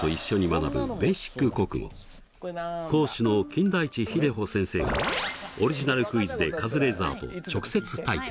講師の金田一秀穂先生がオリジナルクイズでカズレーザーと直接対決！